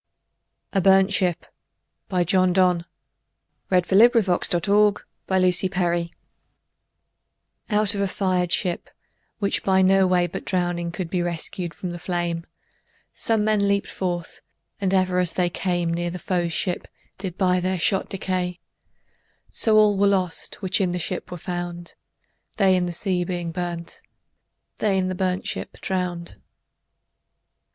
John Donnesister projects: Wikidata item. 202919A Burnt ShipJohn Donne Out of a fired ship, which, by no way But drowning, could be rescued from the flame, Some men leap'd forth, and ever as they came Neere the foes ships, did by their shot decay; So all were lost, which in the ship were found, They in the sea being burnt, they in the burnt ship drown'd.